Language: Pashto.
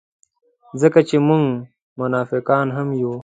ځکه چې موږ منافقان هم یو.